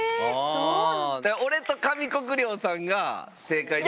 俺と上國料さんが正解で。